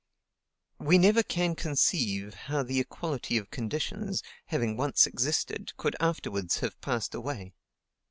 We never can conceive how the equality of conditions, having once existed, could afterwards have passed away.